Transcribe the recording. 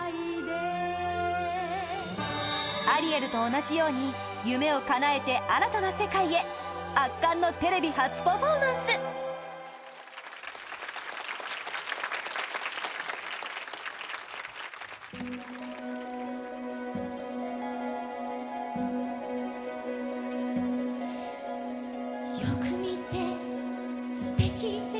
アリエルと同じように夢をかなえて新たな世界へ圧巻のテレビ初パフォーマンスこどもの日は未来の日だ